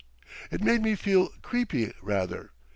It made me feel creepy, rather.